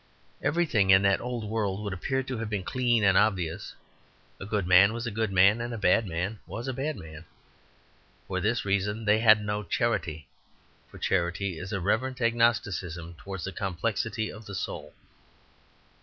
Everything in that old world would appear to have been clean and obvious. A good man was a good man; a bad man was a bad man. For this reason they had no charity; for charity is a reverent agnosticism towards the complexity of the soul.